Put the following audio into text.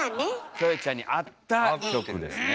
キョエちゃんに合った曲ですね。